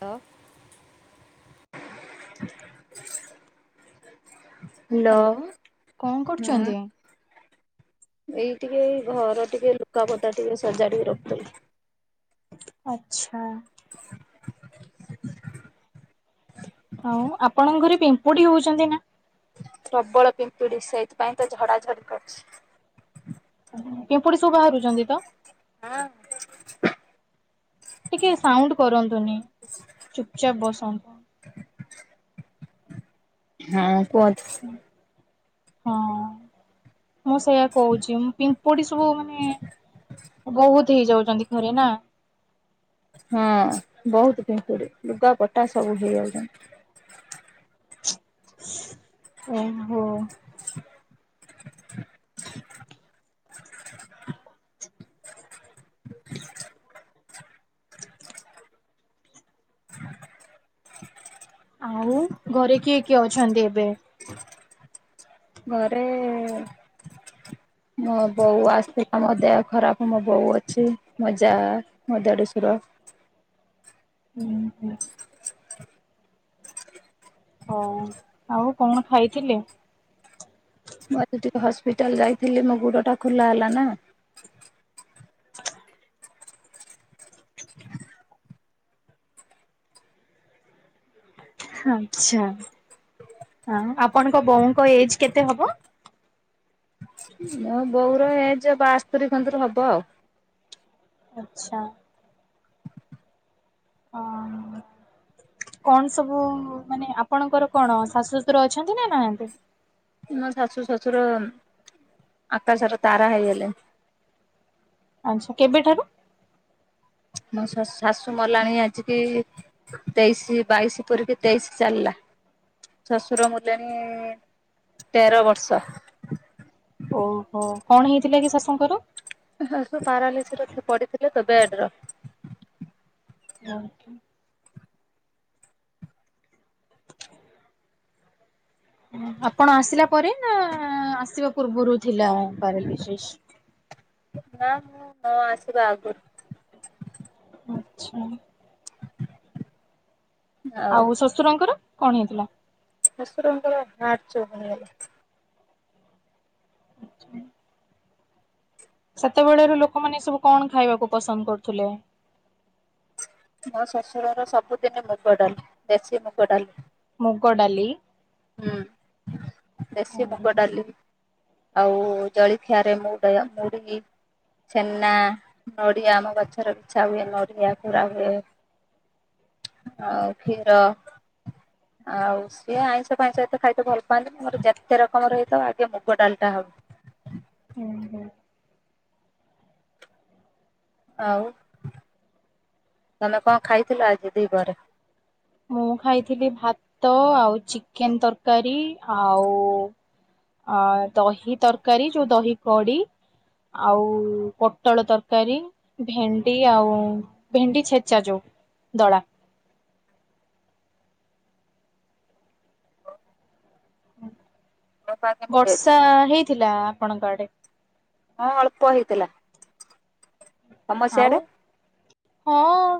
Hello. Hello hello କଣ କରୁଛନ୍ତି? ହୁଁ। ଏଇ ଟିକେଇ ଘର ଟିକେ ଲୁଗାପଟା ଟିକେ ସଜାଡିକି ରଖୁଥିଲି। ଆଛା। ଆଉ ଆପଣଙ୍କ ଘରେ ପିମ୍ପୁଡି ହଉଚନ୍ତି ନା? ପ୍ରବଳ ପିମ୍ପିଡି ସେଇଥିପାଇଁ ତ ଝଡାଝଡି କରୁଚି। ପିମ୍ପୁଡି ସବୁ ବାହାରୁଚନ୍ତି ତ? ହଁ। ଟିକେ ସାଉଣ୍ଡ୍ କରନ୍ତୁନି ଚୁପ୍ ଚାପ୍ ବସନ୍ତୁ। ହଁ କୁହନ୍ତୁ। ହଁ। ମୁଁ ସେଇଆ କହୁଚି ମୁଁ ପିମ୍ପୁଡି ସବୁ ମାନେ ବହୁତ୍ ଭର୍ତ୍ତି ହେଇଯାଉଚନ୍ତି ଘରେ ନା। ହଁ ବହୁତ୍ ପିମ୍ପୁଡ଼ି ଲୁଗାପଟା ସବୁ ହେଇଯାଉଚନ୍ତି। ଓହା। ଆଉ ଘରେ କିଏ କିଏ ଅଛନ୍ତି ଏବେ? ଘରେ ମ ବଉ ଆସି- ଆ-ମ ଦେହ ଖରାପ୍ ମ ବଉ ଅଛି ମ ଯା ମ ଦେଡୁସୁର ହୁଁ -ହୁଁ। ହଉ ଆଉ କଣ୍ ଖାଇଥିଲେ? ମୁଁ ଆଜି ଟିକେ ହସ୍ପିଟାଲ୍ ଯାଇଥିଲି ମ ଗୋଡ଼ଟା ଖୋଲା ହେଲା ନା। ଆଛା -ଆଉ ଆପଣଙ୍କ ବୋଉଙ୍କ ଏଜ୍ କେତେ ହବ? ମୋ ବଉର ଏଜ୍ ବାସ୍ତରି କନ୍ତର ହବ ଆଉ। ଆଚ୍ଛା। କଣ ସବୁ ମାନେ ଆପଣଙ୍କର କଣ ଶାଶୁ ଶଶୁର ଅଛନ୍ତି ନା ନାହାନ୍ତି? ମ ଶାଶୁ ଶଶୁର ଆକାଶର ତାରା ହେଇଗଲେଣି। ଆଛା କେବେଠାରୁ? ମ ଶାସ୍- ଶାଶୁ ମଲାଣୀ ଆଜି କି ତେଇଶି- ବାଇଶି ପୁରିକି ତେଇଶି ଚାଲିଲା। ଶଶୁର ମଲେଣି ତେର ବର୍ଷ। ଓହୋ କଣ ହେଇଥିଲା କି ଶାଶୁଙ୍କର? ଶାଶୁ ପାରାଲିସ୍ ର ପଡିଥିଲେ ତ ବେଡ୍ ର। [inaudible] ଆପଣ ଆସିଲା ପରେ ନା ଆଁ- ଆସିବା ପୂର୍ବରୁ ଥିଲା ପାରାଲିଶିଶ୍? ନା ମୁଁ ନ ଆସିବା ଆଗୁରୁ। ଆଛା। ଆଉ ଶଶୁରଙ୍କର କଣ୍ ହେଇଥିଲା? ଶଶୁରଙ୍କର ହାର୍ଟ ଚୋକ୍ ହେଇଗଲା। ଆଛା। ସେତେବେଳେର ଲୋକମାନେ ସବୁ କଣ ଖାଇବାକୁ ପସନ୍ଦ୍ କରୁଥିଲେ? ମ ଶଶୁରର ସବୁଦିନେ ମୁଗ ଡାଲି ଦେଶୀ ମୁଗ ଡାଲି। ମୁଗଡ଼ାଲି। ହୁଁ ହୁଁ ଦେଶୀ ମୁଗ ଡାଲିି। ଆଉ ଜଳଖିଆ ରେ ମୁଡୟ- ମୁଢି ଛେନା, ନଡିଆ ଆମ ଗଛର ବିଛା ହୁଏ ନଡ଼ିଆ ପୁରା ହୁଏ। ଆଉ କ୍ଷୀର ଆଉ ସିଏ ଆଇଁଷ ସେ ଆଇଁଷ ଏତେ ଖାଇତେ ଭଲ ପାଆନ୍ତିନି ମୋର ଯେତେ ରକମର ହେଇଥାଉ ଆଗେ ମୁଗ ଡାଲ୍ ଟା ହବ। ହୁଁ- ହୁଁ। ଆଉ ତମେ କଣ ଖାଇଥିଲ ଆଜି ଦି ପହରେ? ମୁଁ ଖାଇଥିଲି ଭାତ ଆଉ ଚିକେନ ତରକାରୀ ଆଉ ଅ ଦହି ତରକାରୀ ଯୋଉ ଦହି କଡି ଆଉ ପୋଟଳ ତରକାରୀ ଭେଣ୍ଡି ଆଉ ଭେଣ୍ଡି ଛେଚା ଯୋଉ ଦଳା। ଦେହ ପା କେମିତି ଅଛି? ବର୍ଷା ହେଇଥିଲା ଆପଣଙ୍କ ଆଡେ। ହଁ ଅଳ୍ପ ହେଇଥିଲା। ତମ ଆଉ ସିଆଡେ? ହଁ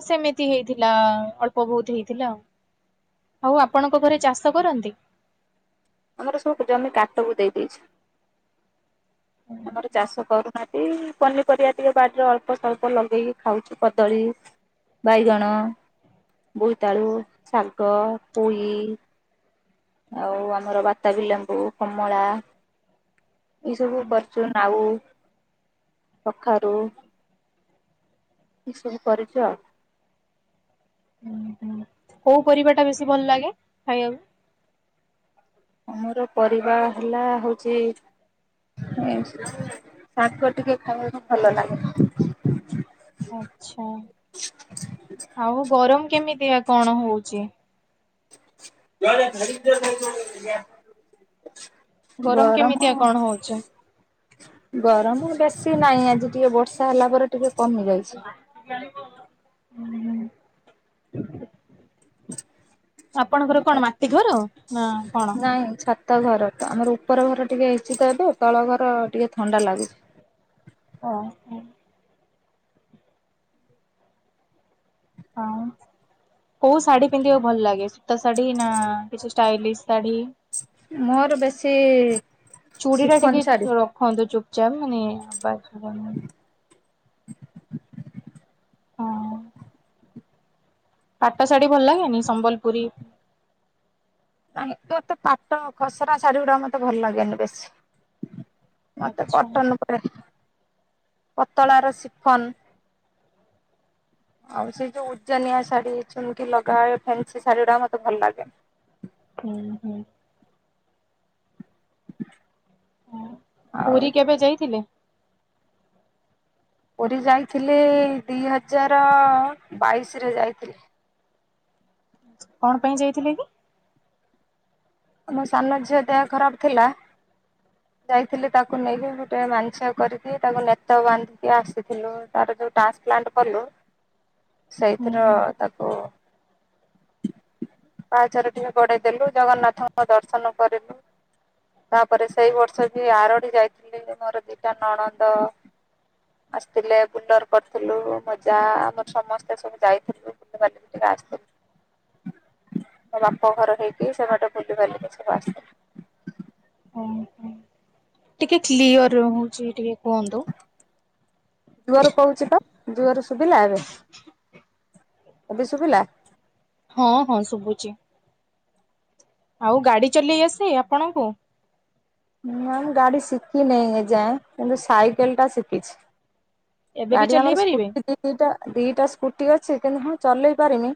ସେମିତି ହେଇଥିଲା ଅଳ୍ପ ବହୁତ ହେଇଥିଲା ଆଉ। ହଉ ଆପଣଙ୍କ ଘରେ ଚାଷ କରନ୍ତି। ଆମର ସବୁ ଜମି କାଟକୁ ଦେଇ ଦେଇଛୁ ଆମର ଚାଷ କରୁନୁ। ନିହାତି ପନିପରିବା ଟିକେ ବାଡିରେ ଅଳ୍ପ ସଳ୍ପ ଲଗେଇକି ଖାଉଛୁ କଦଳୀ ବାଇଗଣ ବୋଇତାଳୁ ଶାଗ ପୋଇ ଆଉ ଆମର ବାତାବି ଲେମ୍ବୁ କମଳା ଏ ସବୁ କରିଛୁ ନାଉ କଖାରୁ ଏ ସବୁ କରିଛୁ ଆଉ। ଉଁ ହୁଁ କୋଉ ପରିବା ଟା ବେଶୀ ଭଲ ଲାଗେ ଖାଇବାକୁ। ମୋର ପରିବା ହେଲା ହଉଚି ଶାଗ ଟିକେ ଖାଇବାକୁ ଭଲ ଲାଗେ। ହଁଁ [inaudible] ଆଛା ଆଉ ଗରମ କେମିତିଆ କଣ ହଉଛି? [unintelligible] ଗରମ। କେମିତିଆ କଣ ହଉଛି ଗରମ ବେଶୀ ନାହିଁ ଆଜି ଟିକେ ବର୍ଷା ହେଲା ପରେ ଟିକେ କମି ଯାଇଛି। ହୁଁ। ଆପଣଙ୍କର କଣ ମାଟି ଘର ନା କଣ? ନାଇଁ ଛାତ ତ ଘର ଆମର ଉପର ଘର ଟିକେ ହେଇଚିତ ଏବେ ତଳ ଘର ଟିକେ ଥଣ୍ଡା ଲାଗୁଛି। ଓ ହ। ଆଉ [inaudible] କୋଉ ଶାଢୀ ପିନ୍ଧିବାକୁ ଭଲ ଲାଗେ ସୂତା ଶାଢୀ ନା କିଛି ଷ୍ଟାଇଲିଶ ଶାଢ଼ୀ। ମୋର ବେଶୀ ଶିଫନ ଶାଢ଼ୀ। ହନ୍ତୁ ଚୁପଚାପ ମାନେ ଆବଜ୍ ହବର ନାହିଁ। [inaudible] ହଁ। ପାଟ ଶାଢୀ ଭଲ ଲାଗେନି ସମ୍ବଲପୁରୀ ନାଇଁ ତ ଏତେ ପାଟ ଖସରା ଶାଢୀ ଗୁଡା ମତେ ଭଲ ଲାଗେନି ବେଶୀ। ମତେ ଆଚ୍ଛା କଟନ ପରେ ପତଳା ର ସିଫନ। ଆଉ ସେ ଯୋଉ ଉଜନିଆ ଶାଢୀ ଅଛନ୍ତି ଚୁମକି ଲଗାଏ ଫେନ୍ସି ଶାଢୀ ଗୁଡ଼ା ମତେ ଭଲ ଲାଗେନି। ହୁଁ ହୁଁ। ଉଁ ଆଉ ପୁରୀ କେବେ ଯାଇଥିଲେ? ପୁରୀ ଯାଇଥିଲେ ଦି ହଜାର ବାଇଶିରେ ଯାଇଥିଲି। କଣ ପାଇଁ ଯାଇଥିଲେ କି? ମୋ ମୋ ସାନ ଝିଅ ଦେହ ଖରାପ ଥିଲା। ଯାଇଥିଲି ତାକୁ ନେଇକି ଗୋଟେ ମାନସିକ କରିକି ତାକୁ ନେତ ବାନ୍ଧିକି ଆସିଥିଲୁ। ତାର ଯୋଉ ଟ୍ରାନ୍ସପ୍ଲାଣ୍ଟ କଲୁ ହୁଁ ସେଇଥିର ହୁଁ ତାକୁ। ଓ ପାହାଚର ଟିକେ ଗଢେଇ ଦେଲୁ ଜଗନ୍ନାଥ। ଙ୍କ ଦର୍ଶନ କରିଲୁ। ତାପରେ ସେଇ ବର୍ଷ ବି ଆରଡ଼ି ଯାଇଥିଲି ମୋର ଦିଟା ନଣନ୍ଦ। ଆସିଥିଲେ ବୁଲର କରିଥିଲୁ ମଜା ଆମର ସମସ୍ତେ ସବୁ ଯାଇଥିଲୁ। [unintelligible] ଆସିଥିଲି ମୋ ବାପା ଘର ସେଇଠି ସେବାଟ ବୁଲି ବାଲିକି ସବୁ ଆସିଥିଲୁ। ହୁଁ ହୁଁ। ଟିକେ କ୍ଲିଅର ରହୁଛି ଟିକେ କୁହନ୍ତୁ। ଜୁଆର କହୁଛି ତ ଜୁଅରେ ଶୁଭିଲା ଏବେ? ଏବେ ଶୁଭିଲା। ହଁ ହଁ ଶୁଭୁଛି ଆଉ ଗାଡି ଚଲେଇ ଆସି ଆପଣଙ୍କୁ? ମ ଗାଡି ଶିଖିିନହିଁ ଏଯାଏଁ କିନ୍ତୁ ସାଇକେଲ ଟା ଶିଖିଛି। ଏବେ ବି ଗାଡି ଚଲେଇ ଆମର ପାରିବେ? ସ୍କୁଟି ଦିଟା ଦିଟା ସ୍କୁଟି ଅଛି କିନ୍ତୁ ମୁ ଚଲେଇ ପାରିନି।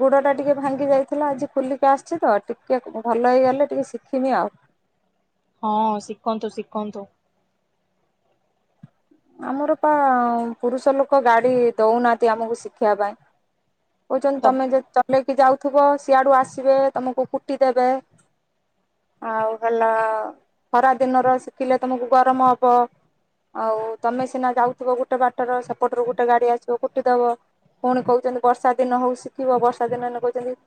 ଗୁଡ଼ଟା ଟିକିେ ଭାଙ୍ଗି ଯାଇଥିଲା ଆଜି ବୁଲିକି ଆସିଛି ତ ଟିକିେ ଭଲ ହେଇଗଲେ ଟିକେ ଶିଖିମି ଆଉ। ହଁ ଶିଖନ୍ତୁ ଶିଖନ୍ତୁ। ଆମର ପା ପୁରୁଷ ଲୋକ ଗାଡି ଦଉନାହାନ୍ତି ଆମକୁ ଶିଖିବା ପାଇଁ। କହୁଛନ୍ତି ତମେ ଯେ ଚଲେଇକି ଯାଉଥିବ ସିଆଡୁ ଆସିବେ ତମକୁ କୁଟି ଦେବେ। ଆଉ ହେଲା ଖରା ଦିନର ଶିଖିଲେ ତମକୁ ଗରମ ହବ। ଆଉ ତମେ ସିନା ଯାଉଥିବ ଗୋଟେ ବାଟର ସେପଟରୁ ଗୋଟେ ଗାଡି ଆସିବ ଗୋଠେ ଦବ। ପୁଣି କହୁଛନ୍ତି ବର୍ଷା ଦିନ ହଉ ଶିଖିବ ବର୍ଷା ଦିନ ହେଲେ କହୁଛନ୍ତି।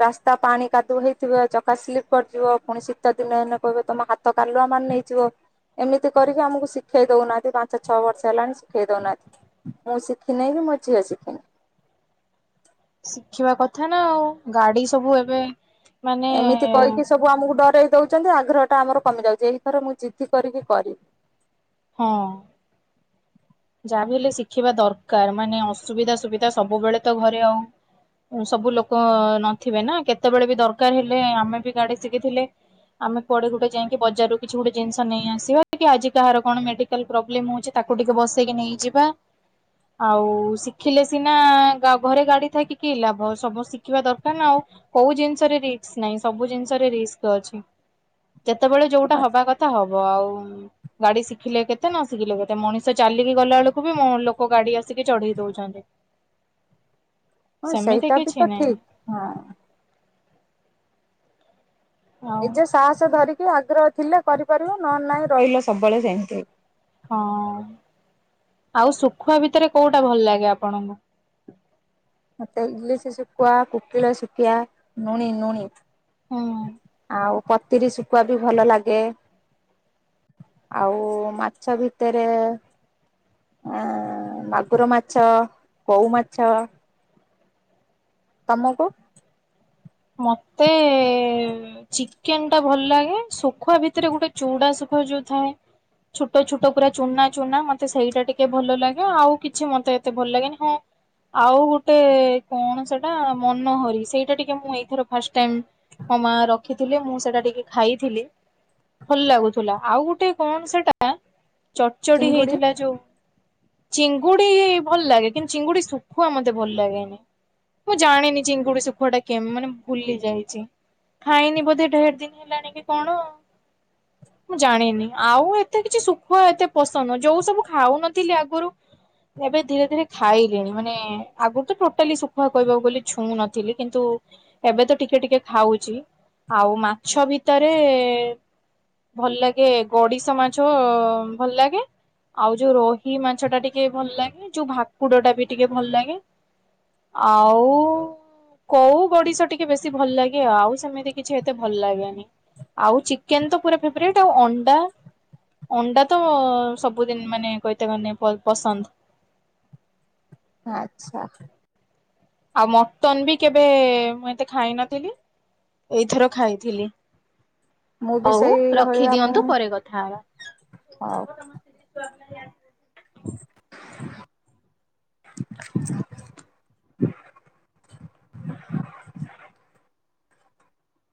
ରାସ୍ତା ପାଣି କାଦୁଅ ହେଇଥିବେ, ଚକା ସ୍ଲିପ କରୁଥିବ ପୁଣି ଶୀତ ଦିନ ଦିନ କହିବେ ତମ ହାତ କାଲୁଆ ମାନ ନେଇଯିବ ଏମିତି କରିକି ଆମକୁ ଶିଖେଇ ଦଉନାହାନ୍ତି ବା ଆଚଛ ଛଅ ବର୍ଷ ହେଲାଣି ଶିଖେଇ ଦଉନାହାନ୍ତି ମୁଁ ଶିଖିିନହିଁ କି ମୋ ଝିଅ ଶିଖିନି। ଶିଖିବା କଥା ନା ଆଉ ଗାଡି ସବୁ ଏବେ। ମାନେ ଏମିତି କହିକି ସବୁ ଆମକୁ ଡରେଇ ଦଉଛନ୍ତି, ଆଗ୍ରହଟା ଆମର କମି ଯାଉଛି ଏଇଥର ମୁଁ ଜିତି କରିକି କରିବି। ହଁ। ଯାହା ବି ହେଲେ ଶିଖିବା ଦରକାର ମାନେ ଅସୁବିଧା ସୁବିଧା ସବୁବେଳେ ତ ଘରେ ଆଉ। ସବୁ ଲୋକ ନଥିବେ ନା କେତେବେଳେ ବି ଦରକାର ହେଲେ ଆମେ ବି ଗାଡି ଶିଖିଥିଲେ ଆମେ କୁଆଡ଼େ ଗୋଟେ ଯାଇକି ବଜାରରୁ କିଛି ଗୋଟେ ଜିନିଷ ନେଇ ଆସିବା କି ଆଜି କାହାର କଣ ମେଡି ପ୍ରବ୍ଲେମ ହଉଛି ତାକୁ ଟିକେ ବସେଇକି ନେଇଯିବା। ଆଉ ଶିଖିଲେ ସିନା ଘରେ ଗାଡି ଥକ କି ଲାଭ ସମସ୍ତେ ଶିଖିବା ଦରକାର ନା ଆଉ। କୋଉ ଜିନିଷରେ ରିସ୍କ ନାହିଁ ସବୁ ଜିନିଷରେ ରିସ୍କ ଅଛି। [inaudible] ଯେତେବେଳେ ଯୋଉଟା ହବା କଥା ହବ ଆଉ ଗାଡି ଶିଖିଲେ କେତେ ନ ଶିଖିଲେ କେତେ ମଣିଷ। ଚାଲିକି ଗଲା ବେଳକୁ ବି ମୋ ଲୋକ ଗାଡି ଆସିକି ଚଢେଇ ଦଉଛନ୍ତି। ହଁ ସେମିତି ସେଇଟା ବି କିଛି ତ ନାହିଁ ଠିକ ହଁ। ଆଉ ନିଜେ ସାହସ ଧରିକି ଆଗ୍ରହ ଥିଲେ କରିପାରିବ ନ ନାଇଁ ରହିଲ ସବୁବେଳେ ସେମତି। ହଁ ଆଉ ଶୁଖୁଆ ଭିତରେ କୋଉଟା ଭଲ ଲାଗେ ଆପଣଙ୍କୁ? ମତେ ଇଲିସ ଶ ସୁଖିବା କୁକିଳ ସୁଖିଆ ନୁଣିି ନୁଣି। ହୁଁ। ଆଉ ପତିରି ଶୁଖୁଆ ବି ଭଲ ଲାଗେ। ଆଉ ମାଛ ଭିତରେ ଆ ମାଗୁର ମାଛ କଉ ମାଛ। ତମକୁ? ମତେ ଚିକେନ ଟା ଭଲ ଲାଗେ, ଶୁଖୁଆ ଭିତରେ ଗୋଟେ ଚଉଡା ଶୁଖୁଆ ଯୋଉ ଥାଏ। ଛୋଟ ଛୋଟ ପୁରା ଚୁନା ଚୁନା ମତେ ସେଇଟା ଟିକେ ଭଲ ଲାଗେ ଆଉ କିଛି ମତେ ଏତେ ଭଲ ଲାଗେନି ହଁ। ଆଉ ଗୋଟେ କଣ ସେଟା ମନହରି ସେଇଟା ଟିକେ ମୁଁ ଏଇ ଏଥର ଫାଷ୍ଟ ଟାଇମ୍ ମୋ ମା ରଖିଥିଲେ ମୁଁ ସେଟା ଟିକେ ଖାଇଥିଲି ଭଲ ଲାଗୁଥିଲା ଆଉ ଚଡ଼ଚଡି ଚିଙ୍ଗୁଡି ହେଇଥିଲା ଯୋଉ? ଚିଙ୍ଗୁଡି ଭଲ ଲାଗେ କିନ୍ତୁ ଚିଙ୍ଗୁଡି ଶୁଖୁଆ ମତେ ଭଲ ଲାଗେନି ମୁଁ ଜାଣିନି ଚିଙ୍ଗୁଡି ସୁଖୁଆ ଟା କେମ୍ ମାନେ ଭୁଲି ଯାଇଛି ଖାଇନି ବୋଧେ ଢେର୍ ଦିନି ହେଲାଣି କି କଣ? [inaudible] ମୁଁ ଜାଣିନି ଆଉ ଏତେ କିଛି ଶୁଖୁଆ ଏତେ ପସନ୍ଦ ଯୋଉ ସବୁ ଖାଉନଥିଲି ଆଗରୁ ଏବେ ଧୀରେ ଧୀରେ ଖାଇଲିଣି ମାନେ ଆଗରୁ ତ ଟୋଟାଲି ଶୁଖୁଆ କହିବାକୁ ଗଲେ ଛୁଉଁ ନଥିଲି କିନ୍ତୁ। ଏବେ ତ ଟିକେ ଟିକେ ଖାଉଛି ଆଉ ମାଛ ଭିତରେ। ଭଲ ଲାଗେ ଗଡିସ୍ ମାଛ ଭଲ ଲାଗେ। ଆଉ ଯୋଉ ରୋହି ମାଛ ଟା ଟିକେ ଭଲ ଲାଗେ ଯୋଉ ଭାକୁଡ ଟା ବି ଟିକେ ଭଲ ଲାଗେ। ଆଉ କଉ, ଗଡ଼ିସ ଟି ଟିକେ ବେଶୀ ଭଲ ଲାଗେ ଆଉ ସେମିତି କିଛି ଏତେ ଭଲ ଲାଗେନି। ଆଉ ଚିକେନ୍ ତ ପୁରା ଫେବରେଟ୍ ଆଉ ଅଣ୍ଡା। ଅଣ୍ଡା ତ ସବୁଦିନି ମାନେ କହିତେ ଗନେ ପ-ପସନ୍ଦ। ହଁ ଆଚ୍ଛା। ଆଉ ମଟନ୍ ବି କେବେ ମୁଁ ଏତେ ଖାଇ ନଥିଲି। ଏଇଥର ଖାଇଥିଲି। ମୁଁ ବି ହଉ ସେଇ ଭଳିଆ ମୁଁ ରଖିଦିଅନ୍ତୁ ପରେ କଥା ହବା। ହଉ [inaudible] [inaudible]